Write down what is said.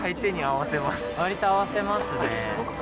わりと合わせますね。